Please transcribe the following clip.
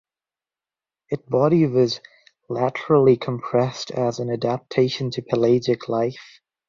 It body was laterally compressed as an adaptation to pelagic life.